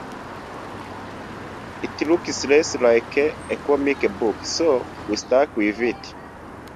It looks less like a comic book, so we stuck with it.